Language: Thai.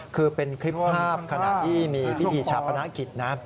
คือเป็นคลิปภาพขณะที่มีพิธีชาปนกิจนะ